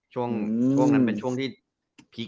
ช่วงนั้นเป็นช่วงที่พีค